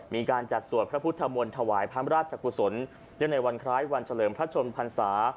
มีการจัดสวดพระพุทธมนต์ถวายพระราชกุศลเนื่องในวันคล้ายวันเฉลิมพระชนพรรษา